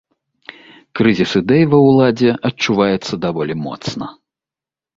Крызіс ідэй ва ўладзе адчуваецца даволі моцна.